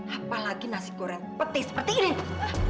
apalagi nasi goreng peti seperti ini nih